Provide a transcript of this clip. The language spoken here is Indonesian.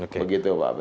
begitu pak periw